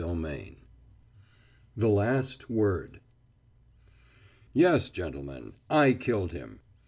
VIII THE LAST WORD Yes, gentlemen, I killed him!